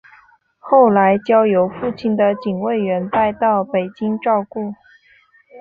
后来交由父亲的警卫员带到北京照顾。